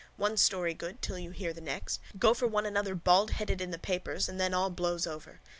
One story good till you hear the next. Go for one another baldheaded in the papers and then all blows over.